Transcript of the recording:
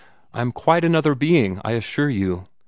I am quite another being, I assure you!